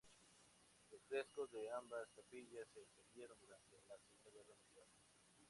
Los frescos de ambas capillas se perdieron durante la Segunda Guerra Mundial.